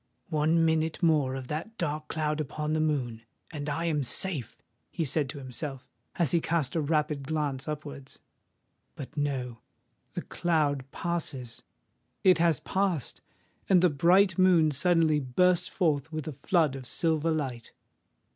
"One minute more of that dark cloud upon the moon—and I am safe!" he said to himself, as he cast a rapid glance upwards. But, no—the cloud passes! It has passed;—and the bright moon suddenly bursts forth with a flood of silver light.